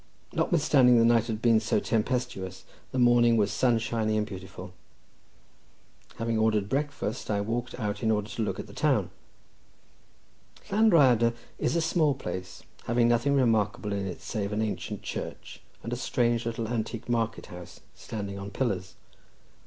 Notwithstanding the night had been so tempestuous, the morning was sunshiny and beautiful. Having ordered breakfast, I walked out in order to have a look at the town. Llan Rhyadr is a small place, having nothing remarkable in it save an ancient church, and a strange little antique market house, standing on pillars.